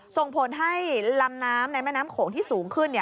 ส่งผลให้ลำน้ำในแม่น้ำโขงที่สูงขึ้น